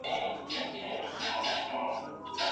منل د حل لاره ده.